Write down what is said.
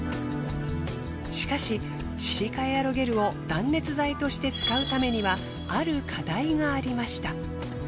しかしシリカエアロゲルを断熱材として使うためにはある課題がありました。